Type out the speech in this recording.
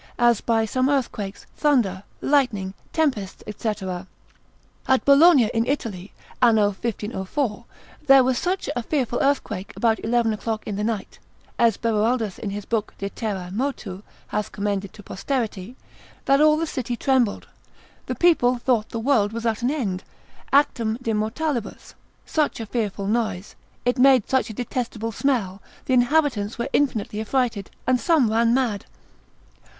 as by some earthquakes, thunder, lightning, tempests, &c. At Bologna in Italy, anno 1504, there was such a fearful earthquake about eleven o'clock in the night (as Beroaldus in his book de terrae motu, hath commended to posterity) that all the city trembled, the people thought the world was at an end, actum de mortalibus, such a fearful noise, it made such a detestable smell, the inhabitants were infinitely affrighted, and some ran mad.